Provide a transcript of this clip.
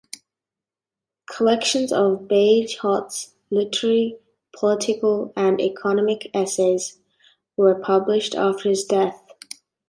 Collections of Bagehot's literary, political, and economic essays were published after his death.